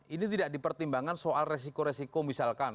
ini tidak dipertimbangkan soal resiko resiko misalkan